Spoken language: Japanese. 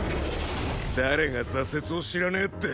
誰が挫折を知らねえって？